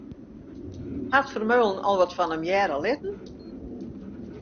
Hat Vermeulen al wat fan him hearre litten?